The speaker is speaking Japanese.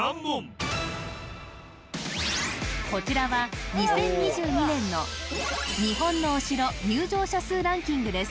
こちらは２０２２年の日本のお城入場者数ランキングです